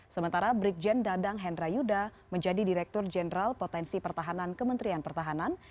sementara brigjen dadang hendra yuda menjadi direktur jenderal potensi pertahanan kementerian pertahanan